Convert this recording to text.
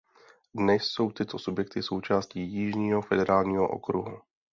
Dnes jsou tyto subjekty součástí Jižního federálního okruhu.